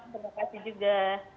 terima kasih juga